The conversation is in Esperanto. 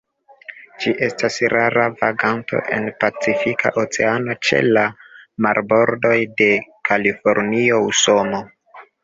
Ĝi estas rara vaganto en Pacifika Oceano ĉe la marbordoj de Kalifornio, Usono.